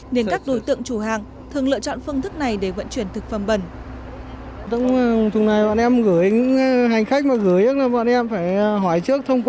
nên các đối tượng chủ hàng thường lựa chọn phương thức này để vận chuyển thực phẩm bẩn